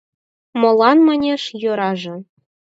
Молан, манеш, йӧраже.